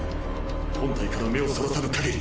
本体から目を逸らさぬかぎり